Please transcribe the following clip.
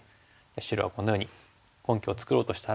白はこのように根拠を作ろうとしたら？